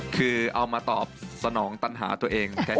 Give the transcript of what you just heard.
คือเอามาตอบสนองตันหาตัวเองแท้เลย